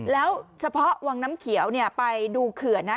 แล้วเฉพาะวังน้ำเขียวไปดูเขื่อนนะ